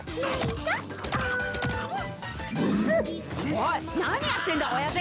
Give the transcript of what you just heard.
おい何やってんだ親父！